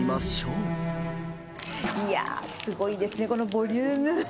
いやー、すごいですね、このボリューム。